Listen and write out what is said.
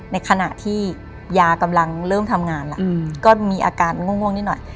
ในขณะที่ยากำลังเริ่มทำงานแล้วก็มีอาการง่วงนิดหน่อย